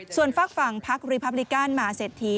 ส่วนฟักฝั่งภักดิ์รีพับลิกานมาเสร็จที